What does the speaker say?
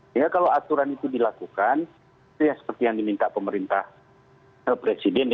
jadi kalau aturan itu dilakukan seperti yang diminta pemerintah presiden